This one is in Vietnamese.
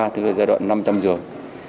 tức là giai đoạn năm trăm linh giường